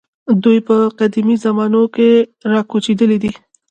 دوی په قدیمو زمانو کې راکوچېدلي دي.